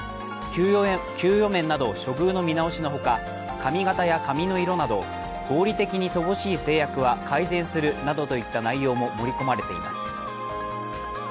給与面など処遇の見直しのほか髪形や髪の色など合理的に乏しい制約は、改善するなどといった内容も盛り込まれています。